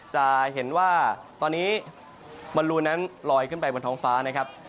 จะเห็นว่าตอนนี้บอลลูนนั้นลอยขึ้นไปบนท้องฟ้านะครับ